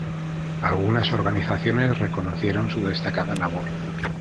Algunas organizaciones reconocieron su destacada labor.